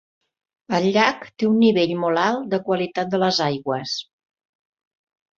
El llac té un nivell molt alt de qualitat de les aigües.